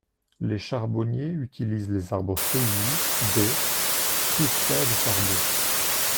Les charbonniers utilisent les arbres feuillus des ' pour faire du charbon.